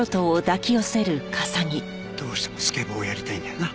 どうしてもスケボーをやりたいんだよな？